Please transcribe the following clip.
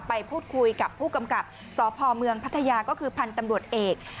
ไปพูดคุยกับผู้กำกับสพเมืองพัทยาก็คือพันธุ์ตำรวจเอก